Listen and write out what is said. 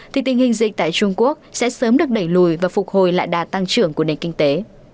thì tình hình dịch tại trung quốc sẽ sớm được đẩy lùi và phục hồi lại đà tăng trưởng của nền kinh tế